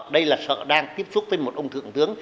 đây là sợ đang tiếp xúc với một ông thượng tướng